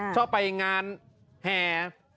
ชอบไปงานแห่